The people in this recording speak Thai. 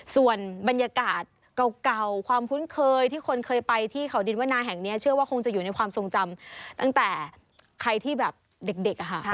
ส่วนบรรยากาศเก่าความคุ้นเคยที่คนเคยไปที่เขาดินวนาแห่งนี้เชื่อว่าคงจะอยู่ในความทรงจำตั้งแต่ใครที่แบบเด็กอะค่ะ